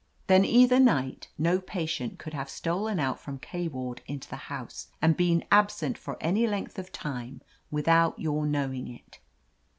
"Then, either night, no patient could have stolen out from K ward into the house and been absent for any length of time without your knowing it?"